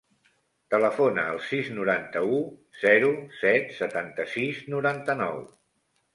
Telefona al sis, noranta-u, zero, set, setanta-sis, noranta-nou.